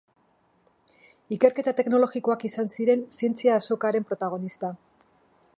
Ikerketa teknologikoak izan ziren zientzia azokaren protagonista.